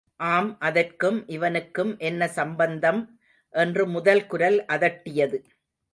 ஆம், அதற்கும், இவனுக்கும் என்ன சம்பந்தம் என்று முதல் குரல் அதட்டியது.